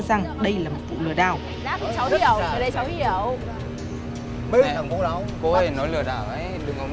hai triệu rưỡi